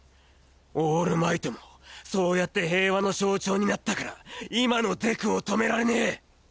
オールマイトもそうやって平和の象徴になったから今のデクを止められねぇ。